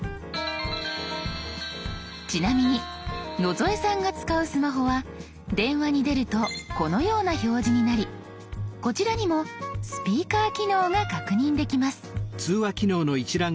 ちなみに野添さんが使うスマホは電話に出るとこのような表示になりこちらにもスピーカー機能が確認できます。